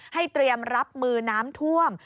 เตรียมรับมือน้ำท่วม